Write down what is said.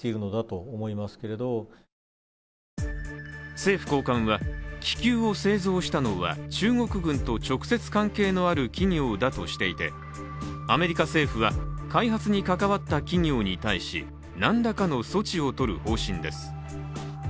政府高官は気球を製造したのは中国軍と直接関係のある企業だとしていてアメリカ背府は開発に関わった企業に対しなんらかの措置をとる方針です。